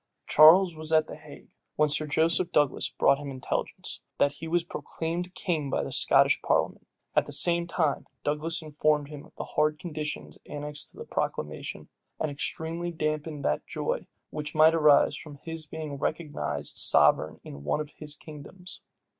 Charles was at the Hague, when Sir Joseph Douglas brought him intelligence, that he was proclaimed king by the Scottish parliament. At the same time, Douglas informed him of the hard conditions annexed to the proclamation, and extremely damped that joy which might arise from his being recognized sovereign in one of his kingdoms.